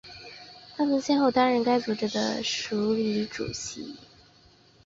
她曾先后担任该组织的署理主席。